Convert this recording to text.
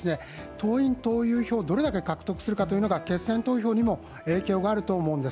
党員・党友票をどれだけ獲得するかが決選投票にも影響があると思うんです。